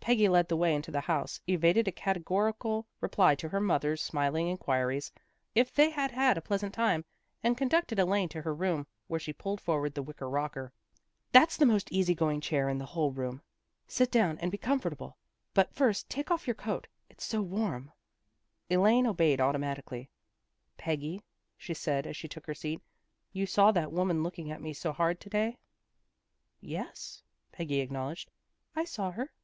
Peggy led the way into the house, evaded a categorical reply to her mother's smiling inquiries if they had had a pleasant time, and conducted Elaine to her room, where she pulled forward the wicker rocker. " That's the most easy going chair in the A PATHETIC STORY 245 whole room. Sit down and be comforta ble. But, first, take off your coat. It's so warm." Elaine obeyed automatically. " Peggy," she said as she took her seat, " you saw that woman looking at me so hard to day? "" Yes," Peggy acknowledged, " I saw her."